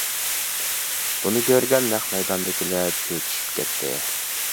بۇنى كۆرگەن نەق مەيداندىكىلەر چۆچۈشۈپ كەتتى.